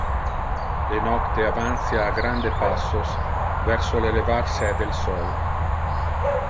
Le nocte avantia a grande passos verso le levar se del sol.